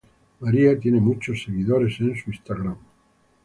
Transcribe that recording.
María tiene muchos seguidores en su Instagram